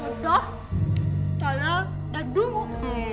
bodoh talang dan dunguk